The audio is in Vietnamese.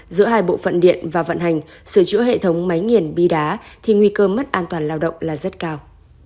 giữa hai bộ phận điện và vận hành sửa chữa hệ thống máy nghiền bi đá thì nguy cơ mất an toàn lao động là rất cao